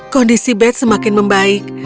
kondisi beth semakin membaik